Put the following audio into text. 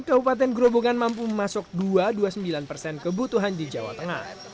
kabupaten gerobogan mampu memasuk dua dua puluh sembilan persen kebutuhan di jawa tengah